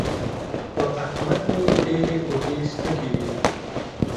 په احمد مې ډېرې اوږې سپکې دي.